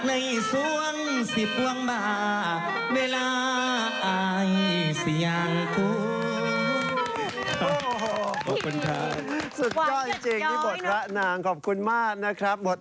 ว่าจึงเตรียมอ้อภาต่างท่าเมาตามนัด